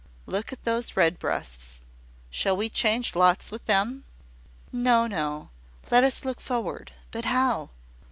Look at those red breasts: shall we change lots with them?" "No, no: let us look forward; but how?